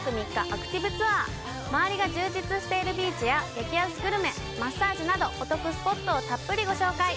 アクティブツアー周りが充実しているビーチや激安グルメマッサージなどお得スポットをたっぷりご紹介